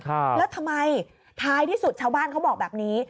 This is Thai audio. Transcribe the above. แล้วทำไมท้ายที่สุดชาวบ้านเขาบอกแบบนี้